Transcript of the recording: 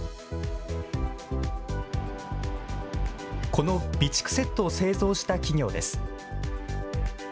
この備蓄セットを製造した企業です。